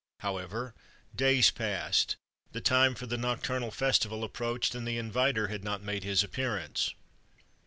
However, days past, the time for the nocturnal festival approached, and the Invitor had not made his appearance.